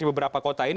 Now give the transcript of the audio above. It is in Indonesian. di beberapa kota ini